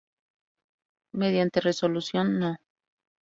Mediante resolución No.